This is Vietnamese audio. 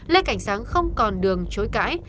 lê cảnh sáng không còn đường chối cãi